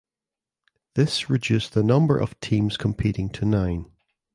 This reduced the number of teams competing to nine.